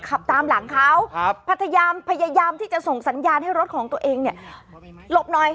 ขับตามหลังเขาพยายามที่จะส่งสัญญาณให้รถของตัวเองเนี่ยหลบหน่อย